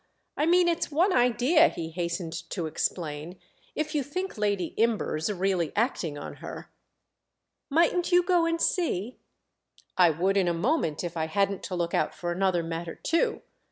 I mean it's one idea," he hastened to explain—"if you think Lady Imber's really acting on her." "Mightn't you go and see?" "I would in a moment if I hadn't to look out for another matter too."